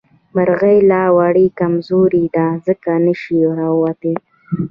مرغۍ لا وړې او کمزورې دي ځکه نه شي اوتلې